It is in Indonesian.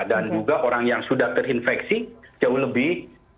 dan juga orang yang sudah terinfeksi jauh lebih